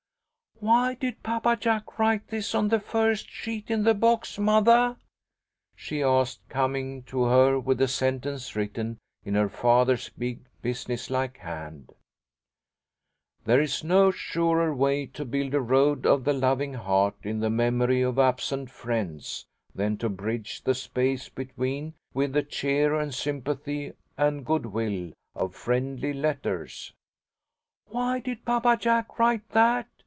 "Why did Papa Jack write this on the first sheet in the box, mothah?" she asked, coming to her with a sentence written in her father's big, businesslike hand: '_There is no surer way to build a Road of the Loving Heart in the memory of absent friends, than to bridge the space between with the cheer and sympathy and good will of friendly letters._' "Why did Papa Jack write that?"